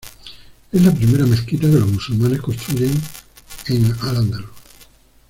Es la primera mezquita que los musulmanes construyeron en al-Andalus.